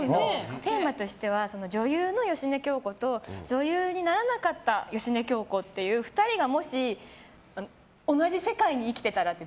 テーマとしては女優の芳根京子と女優にならなかった芳根京子っていう、２人がもし同じ世界に生きてたらって。